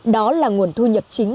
đó là nguồn thu nhập chính